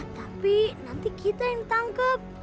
ah tapi nanti kita yang ditangkep